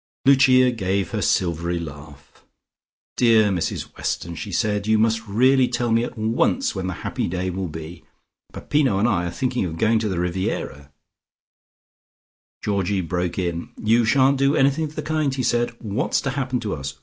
Lucia gave her silvery laugh. "Dear Mrs Weston," she said, "you must really tell me at once when the happy day will be. Peppino and I are thinking of going to the Riviera " Georgie broke in. "You shan't do anything of the kind," he said. "What's to happen to us?